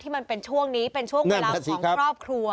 มันเป็นช่วงนี้เป็นช่วงเวลาของครอบครัว